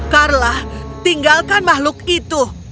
carla tinggalkan makhluk itu